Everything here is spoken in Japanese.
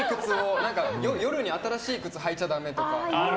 夜に新しい靴はいちゃダメとか。